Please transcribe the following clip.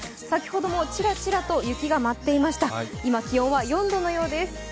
先ほどもちらちらと雪が舞っていました、今、気温は４度のようです。